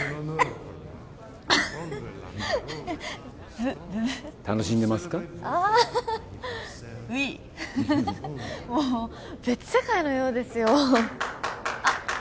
もう別世界のようですよあっ